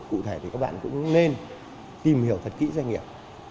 cụ thể thì các bạn cũng nên tìm hiểu thật kỹ doanh nghiệp